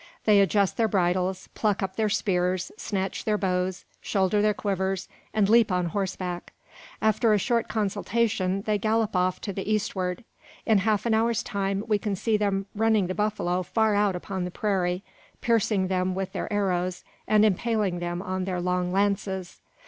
They adjust their bridles, pluck up their spears, snatch their bows, shoulder their quivers, and leap on horseback. After a short consultation they gallop off to the eastward. In half an hour's time, we can see them running the buffalo far out upon the prairie: piercing them with their arrows, and impaling them on their long lances.